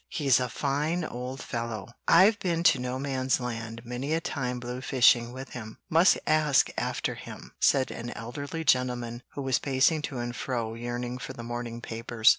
He's a fine old fellow. I've been to No Man's Land many a time blue fishing with him; must ask after him," said an elderly gentleman who was pacing to and fro yearning for the morning papers.